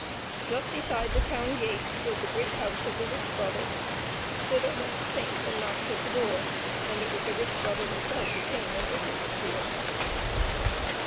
Just beside the town gate stood the great house of the rich brother; thither went the saint and knocked at the door, and it was the rich brother himself who came and opened it to him.